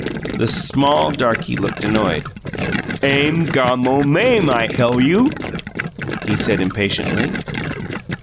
The small darky looked annoyed. "Aim GOMMO mame, I hell you," he said impatiently.